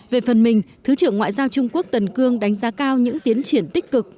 về phần mình thứ trưởng ngoại giao trung quốc tần cương đánh giá cao những tiến triển tích cực